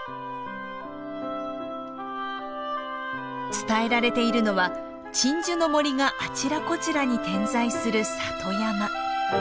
伝えられているのは鎮守の森があちらこちらに点在する里山。